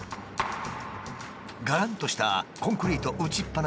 がらんとしたコンクリート打ちっぱなしの空間。